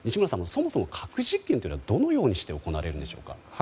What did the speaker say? そもそも核実験というのはどのようにして行われるんでしょうか。